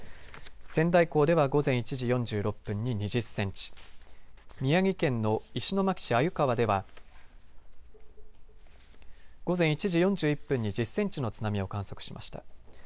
仙台港では午前１時４６分に２０センチ、宮城県の石巻市鮎川では午前１時４１分に１０センチの津波を観測しました。